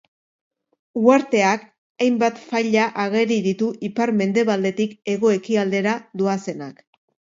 Uharteak hainbat faila ageri ditu ipar-mendebaldetik hego-ekialdera doazenak.